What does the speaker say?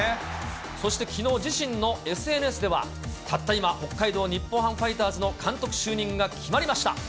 そしてきのう、自身のＳＮＳでは、たった今、北海道日本ハムファイターズの監督就任が決まりました。